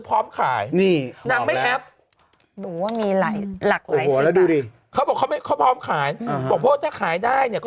พร้อมขายนี่หลักซื้อกานพร้อมขายขายได้ก็